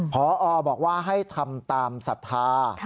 พอบอกว่าให้ทำตามศรัทธา